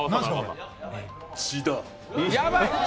やばい！